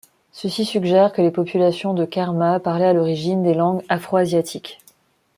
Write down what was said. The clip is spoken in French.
Ceci suggère que les populations de Kerma parlaient à l'origine des langues afro-asiatiques.